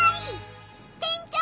店長！